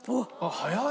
早い。